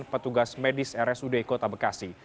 petugas medis rsud kota bekasi